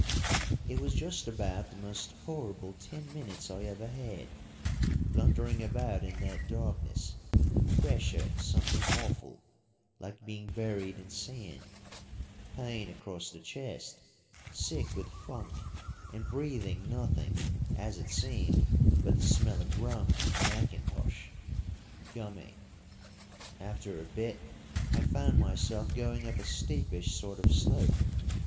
"It was just about the most horrible ten minutes I ever had, blundering about in that darkness, pressure something awful, like being buried in sand, pain across the chest, sick with funk, and breathing nothing as it seemed but the smell of rum and mackintosh. Gummy! After a bit, I found myself going up a steepish sort of slope.